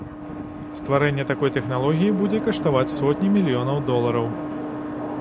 Стварэнне такой тэхналогіі будзе каштаваць сотні мільёнаў долараў.